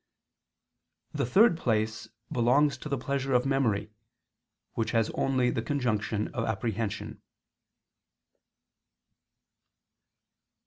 The third place belongs to the pleasure of memory, which has only the conjunction of apprehension.